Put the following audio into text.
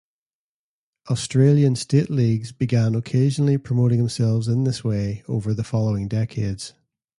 Australian state leagues began occasionally promoting themselves in this way over the following decades.